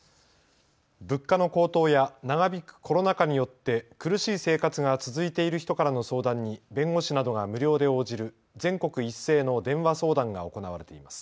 物価の高騰や長引くコロナ禍によって苦しい生活が続いている人からの相談に弁護士などが無料で応じる全国一斉の電話相談が行われています。